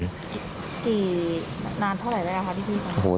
กี่นานเท่าไหร่แค่กับพี่พี่ของเก่า